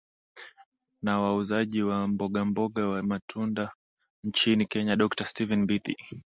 na wauzaji wa mbogamboga wa matunda nchini kenya dokta stephen mbithi